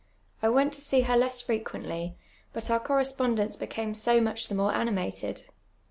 I went to see her less frecjuently, but our correspondence became so much the more animated.